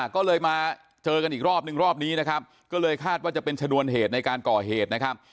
ก็เลยมาเจอกันอีกรอบนึงรอบนี้นะครับก็เลยคาดว่าจะเป็นชนวนเหตุในการก่อเหตุนะครับ